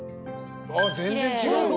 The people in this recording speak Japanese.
全然違うわ。